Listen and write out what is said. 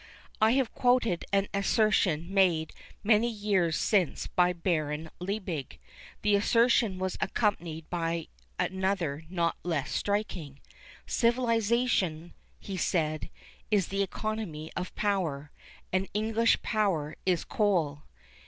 I have quoted an assertion made many years since by Baron Liebig. The assertion was accompanied by another not less striking. 'Civilisation,' he said, 'is the economy of power; and English power is coal.